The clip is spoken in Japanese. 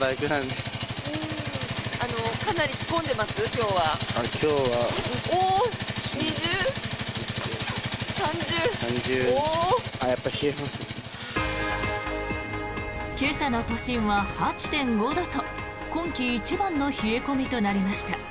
今朝の都心は８．５度と今季一番の冷え込みとなりました。